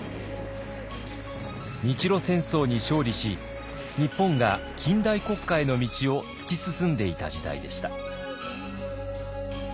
日露戦争に勝利し日本が近代国家への道を突き進んでいた時代でした。